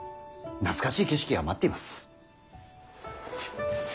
懐かしい景色が待っています。